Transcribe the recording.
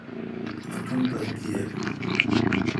اتن پا گیہ۔